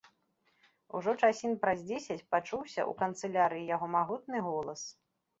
Ужо часін праз дзесяць пачуўся ў канцылярыі яго магутны голас.